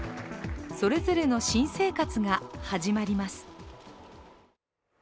それぞれの新生活が始まります。